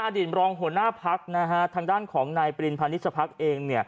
อดีตรองหัวหน้าพักษ์ทางด้านของนายปริณภาณิชภักษ์เอง